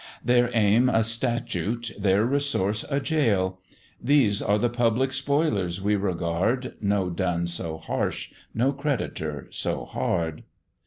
Their aim a statute, their resource a jail; These are the public spoilers we regard, No dun so harsh, no creditor so hard.